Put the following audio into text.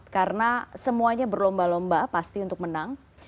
karena semuanya berlomba lomba pasti untuk menang